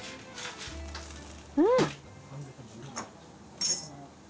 うん。